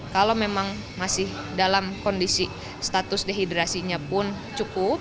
kalau memang masih dalam kondisi status dehidrasinya pun cukup